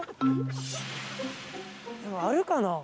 あるかな？